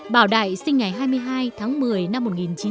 bảo đại sinh ngày hai mươi hai tháng một mươi năm một nghìn chín trăm linh